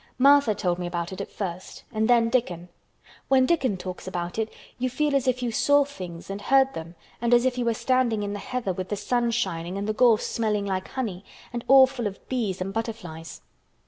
Martha told me about it first and then Dickon. When Dickon talks about it you feel as if you saw things and heard them and as if you were standing in the heather with the sun shining and the gorse smelling like honey—and all full of bees and butterflies."